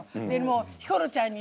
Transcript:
ヒコロちゃんに。